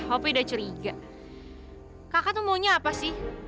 aku udah curiga kakak tuh maunya apa sih